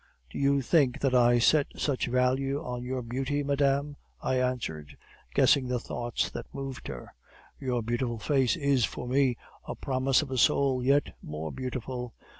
"'Do you think that I set such value on your beauty, madame,' I answered, guessing the thoughts that moved her. 'Your beautiful face is for me a promise of a soul yet more beautiful.